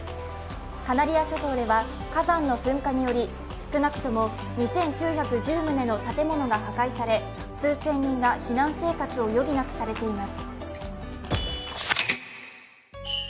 カナリア諸島では火山の噴火により少なくとも２９１０棟の建物が破壊され数千人が避難生活を余儀なくされています。